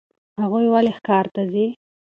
هغوی ولې ښار ته ځي؟